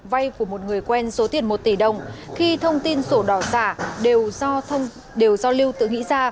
vay của một người quen số tiền một tỷ đồng khi thông tin sổ đỏ giả đều do lưu tự nghĩ